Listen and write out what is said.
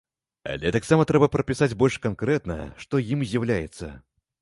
Але таксама трэба прапісаць больш канкрэтна, што ім з'яўляецца.